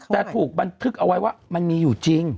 แต่ถูกบันทึกเอาไว้ว่ามันมีอยู่จริง